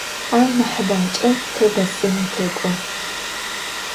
Au nahıbemç'e te bedzerım tek'o.